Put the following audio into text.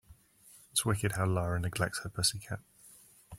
It's wicked how Lara neglects her pussy cat.